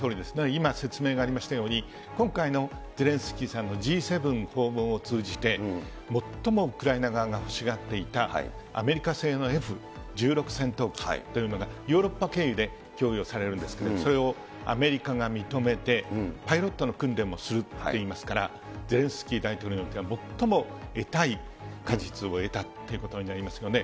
今、説明がありましたように、今回のゼレンスキーさんのＧ７訪問を通じて、最もウクライナ側が欲しがっていた、アメリカ製のＦ１６戦闘機というのがヨーロッパ経由で供与されるんですけど、それをアメリカが認めて、パイロットの訓練もするっていいますから、ゼレンスキー大統領にとっては最も得たい果実を得たということになりますよね。